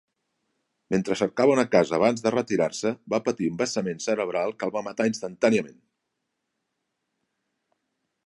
Mentre cercava una casa abans de retirar-se, va patir un vessament cerebral que el va matar instantàniament.